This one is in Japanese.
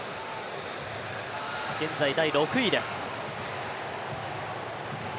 現在第６位です。